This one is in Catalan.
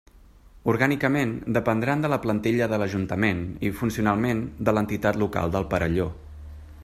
Orgànicament dependran de la plantilla de l'ajuntament i funcionalment de l'entitat local del Perelló.